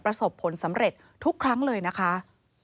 ประสบผลสำเร็จทุกครั้งเลยนะคะ